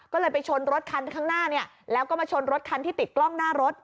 ก็เลยไปชนรถคันข้างหน้าเนี่ยแล้วก็มาชนรถคันที่ติดกล้องหน้ารถ